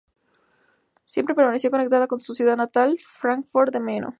Siempre permaneció conectada con su ciudad natal, Fráncfort del Meno.